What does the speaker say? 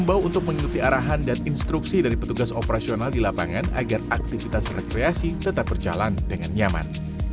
adalah petugas operasional di lapangan agar aktivitas rekreasi tetap berjalan dengan nyaman